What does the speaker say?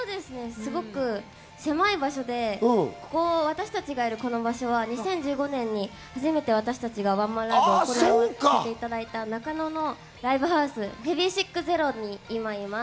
すごく狭い場所で私たちがいるこの場所は２０１５年に私たちが初めてワンマンライブを行った中野のライブハウスｈｅａｖｙｓｉｃｋＺＥＲＯに今います。